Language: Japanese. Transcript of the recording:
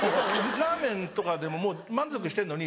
ラーメンとかでももう満足してるのに。